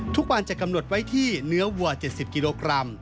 ทุกวันจะกำหนดไว้ที่เนื้อวัว๗๐กิโลกรัม